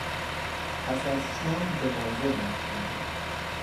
پس از شام به منزل رفتیم.